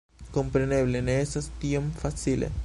Kompreneble, ne estas tiom facile.